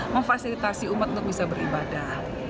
memfasilitasi umat untuk bisa beribadah